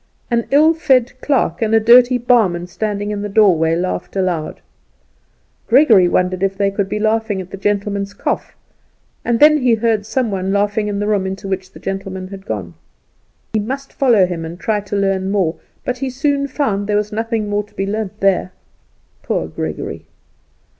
An ill fed clerk and a dirty barman standing in the doorway laughed aloud. Gregory wondered if they could be laughing at the gentleman's cough, and then he heard some one laughing in the room into which the gentleman had gone. He must follow him and try to learn more; but he soon found that there was nothing more to be learnt there. Poor Gregory!